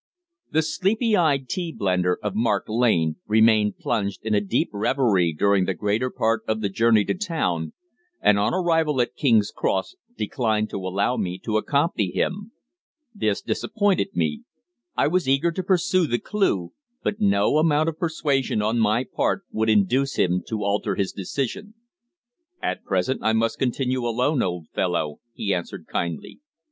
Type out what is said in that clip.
The sleepy eyed tea blender of Mark Lane remained plunged in a deep reverie during the greater part of the journey to town, and on arrival at King's Cross declined to allow me to accompany him. This disappointed me. I was eager to pursue the clue, but no amount of persuasion on my part would induce him to alter his decision. "At present I must continue alone, old fellow," he answered kindly.